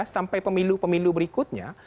sampai pemilu pemilu berikutnya